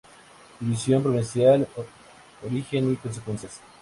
División Provincial: origen y consecuencias.